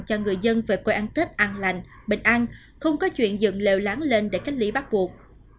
cho người dân về quê ăn tết an lành bình an không có chuyện dựng lều láng lên để cách ly bắt buộc